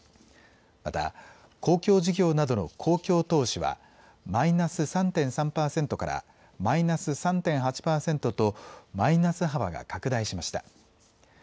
また、公共事業などの公共投資はマイナス３．３％からマイナス３．８％とマイナス幅が拡大しました。